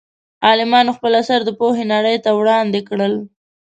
عالمانو خپل اثار د پوهې نړۍ ته وړاندې کړل.